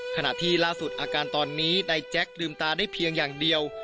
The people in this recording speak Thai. ขณะที่ล่าสุดอาการตอนนี้นายแจ๊คลืมตาได้เพียงอย่างเดียว